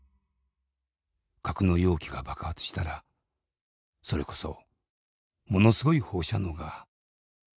格納容器が爆発したらそれこそものすごい放射能が出ますから」。